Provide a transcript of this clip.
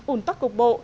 ổn tóc cục bộ